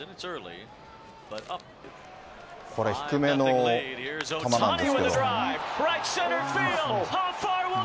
これ、低めの球なんですけど。